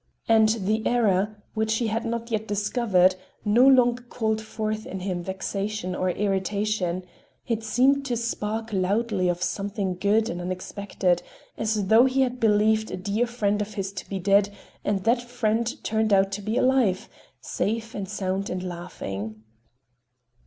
And the error, which he had not yet discovered, no longer called forth in him vexation or irritation,—it seemed to speak loudly of something good and unexpected, as though he had believed a dear friend of his to be dead, and that friend turned out to be alive, safe and sound and laughing.